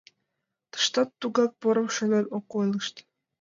Тыштат тугак: порым шонен ок ойлышт.